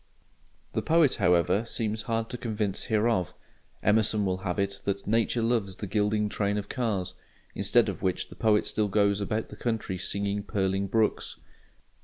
The poet, however, seems hard to convince hereof. Emerson will have it that "Nature loves the gliding train of cars"; "instead of which" the poet still goes about the country singing purling brooks.